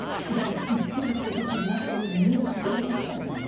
一見遅くなったように見えることまでしかできない。